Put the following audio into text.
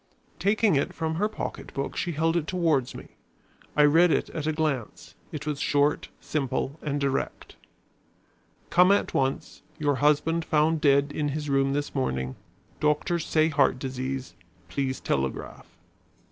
Taking it from her pocket book, she held it towards me. I read it at a glance. It was short, simple and direct. "Come at once. Your husband found dead in his room this morning. Doctors say heart disease. Please telegraph."